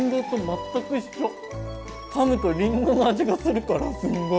かむとりんごの味がするからすんごい。